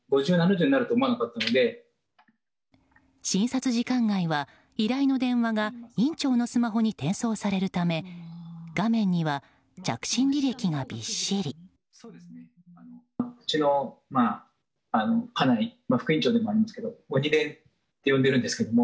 診察時間外は依頼の電話が院長のスマホに転送されるため画面には着信履歴がびっしり。